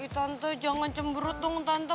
tante jangan cemberut dong tante